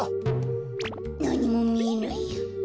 なにもみえないや。